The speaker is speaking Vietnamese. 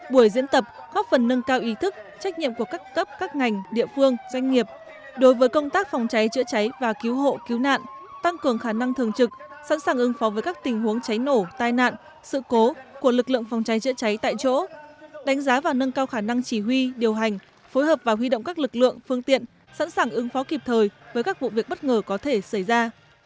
buổi diễn tập góp phần nâng cao ý thức trách nhiệm của các cấp các ngành địa phương doanh nghiệp đối với công tác phòng cháy chữa cháy và cứu hộ cứu nạn tăng cường khả năng thường trực sẵn sàng ưng phó với các tình huống cháy nổ tai nạn sự cố của lực lượng phòng cháy chữa cháy tại chỗ đánh giá và nâng cao khả năng chỉ huy điều hành phối hợp và huy động các lực lượng phương tiện sẵn sàng ưng phó kịp thời với các vụ việc bất ngờ có thể xảy ra